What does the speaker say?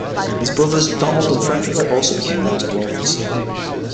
His brothers Donald and Frederick also became notable authors.